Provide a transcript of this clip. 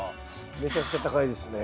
めちゃくちゃ高いですね。